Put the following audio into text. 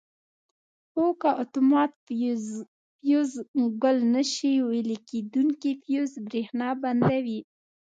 خو که اتومات فیوز ګل نه شي ویلې کېدونکي فیوز برېښنا بندوي.